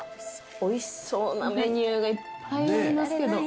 おいしそうなメニューがいっぱいありますけど。